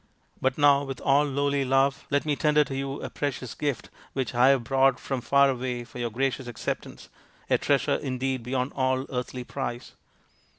But now, with all lowly love, let me tender to you a precious gift which I have brought from far away for your gracious acceptance, a treasure indeed beyond all earthly price."